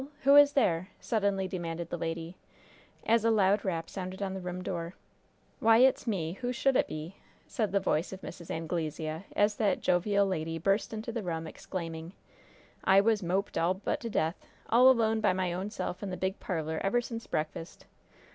Who is there?" suddenly demanded the lady, as a loud rap sounded on the room door. "Why, it's me! Who should it be?" said the voice of Mrs. Anglesea, as that jovial lady burst into the room, exclaiming: "I was moped all but to death, all alone by my own self in the big parlor ever since breakfast.